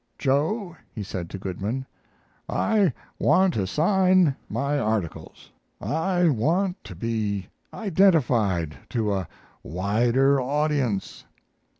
"Joe," he said, to Goodman, "I want to sign my articles. I want to be identified to a wider audience."